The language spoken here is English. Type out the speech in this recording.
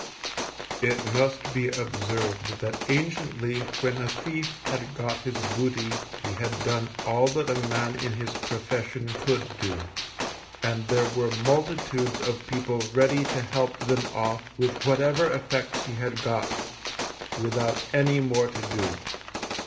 It must be observed that anciently when a thief had got his booty he had done all that a man in his profession could do, and there were multitudes of people ready to help them off with whatever effects he had got, without any more to do.